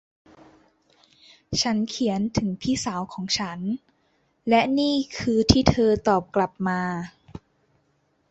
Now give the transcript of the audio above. ฉันเขียนถึงพี่สาวของฉัน และนี่คือที่เธอตอบกลับมา